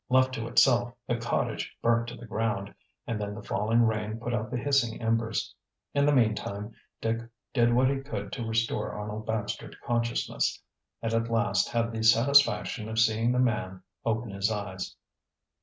Left to itself the cottage burnt to the ground and then the falling rain put out the hissing embers. In the meantime Dick did what he could to restore Arnold Baxter to consciousness, and at last had the satisfaction of seeing the man open his eyes.